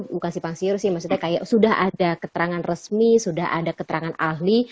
bukan simpang siur sih maksudnya kayak sudah ada keterangan resmi sudah ada keterangan ahli